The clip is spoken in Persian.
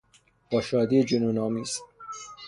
با شادی جنون آمیز